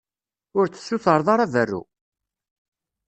Ur tessutred ara berru?